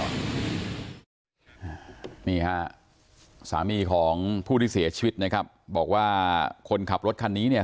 นี่ฮะสามีของผู้ที่เสียชีวิตนะครับบอกว่าคนขับรถคันนี้เนี่ย